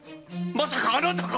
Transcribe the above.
まさかあなたが‼